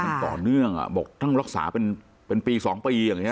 มันต่อเนื่องอ่ะบอกต้องรักษาเป็นปี๒ปีอย่างนี้